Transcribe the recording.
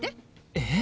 えっ？